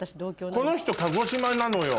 この人鹿児島なのよ。